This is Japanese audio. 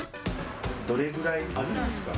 どれぐらいあるんですか？